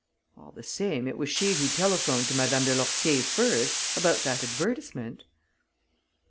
"All the same, it was she who telephoned to Madame de Lourtier first, about that advertisement...."